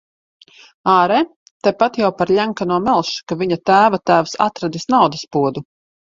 Āre, tepat jau par Ļenkano melš, ka viņa tēva tēvs atradis naudas podu.